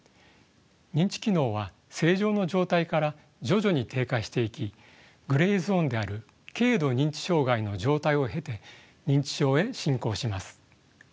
認知機能は正常の状態から徐々に低下していきグレーゾーンである軽度認知障害の状態を経て認知症へ進行します。